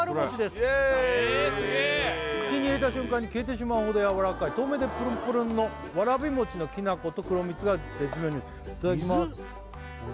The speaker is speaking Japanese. すげえ口に入れた瞬間に消えてしまうほどやわらかい透明でプルンプルンのわらび餅のきな粉と黒蜜が絶妙いただきます水？